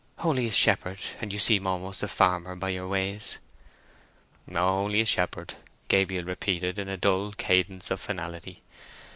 "Only a shepherd—and you seem almost a farmer by your ways." "Only a shepherd," Gabriel repeated, in a dull cadence of finality.